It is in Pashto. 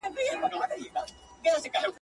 کنه دی په پنیر کله اموخته وو!